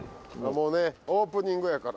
もうねオープニングやから。